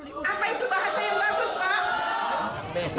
apa itu bahasa yang bagus pak